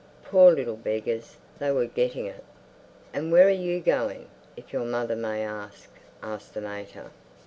Poor little beggars; they were getting it! "And where are you going, if your mother may ask?" asked the mater.